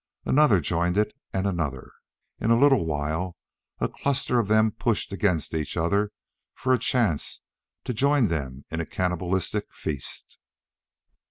Another joined it and another. In a little while a cluster of them pushed against each other for a chance to join them in a cannibalistic feast.